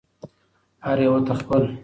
هر یوه ته خپل